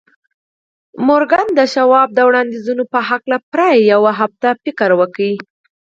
مورګان د شواب د وړانديزونو په هکله پوره يوه اونۍ فکر وکړ.